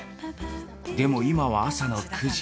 でも今は朝の９時。